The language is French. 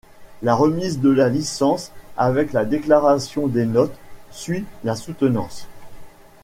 La remise de la licence, avec la déclaration des notes, suit la soutenance.